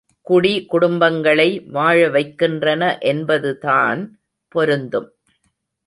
குடி குடும்பங்களை வாழவைக்கின்றன என்பதுதான் பொருந்தும்.